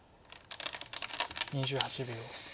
２８秒。